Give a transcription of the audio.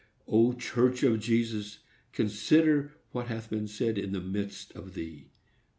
O, church of Jesus! consider what hath been said in the midst of thee.